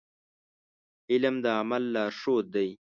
علم د عمل لارښود دی.